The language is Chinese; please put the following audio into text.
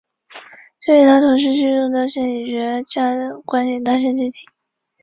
这与他同时期众多心理学家的观点大相径庭。